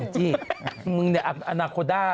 งูจงอ่างไง